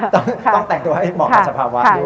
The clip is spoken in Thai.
ต้องแต่งตัวให้เหมาะกับสภาวะด้วย